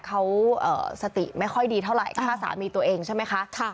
เขาสติไม่ค่อยดีเท่าไหร่ฆ่าสามีตัวเองใช่ไหมคะ